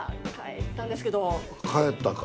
帰ったか。